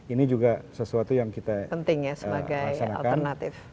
ini juga sesuatu yang kita laksanakan